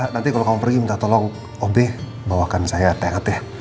nanti kalau kamu pergi minta tolong ob bawakan saya teh teh